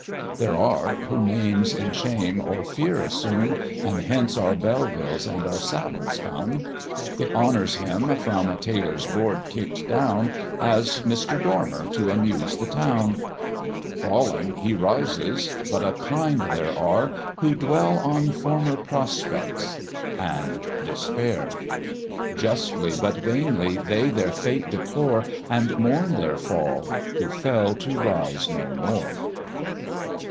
There are who names in shame or fear assume, And hence our Bevilles and our Savilles come; It honours him, from tailor's board kick'd down, As Mister Dormer to amuse the town; Falling, he rises: but a kind there are Who dwell on former prospects, and despair; Justly but vainly they their fate deplore, And mourn their fall, who fell to rise no more.